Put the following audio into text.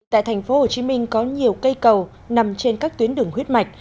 tại thành phố hồ chí minh có nhiều cây cầu nằm trên các tuyến đường huyết mạch